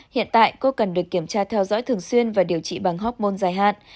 hiện tại cô cần được kiểm tra theo dõi thường xuyên và điều trị bằng hóc môn dài hạn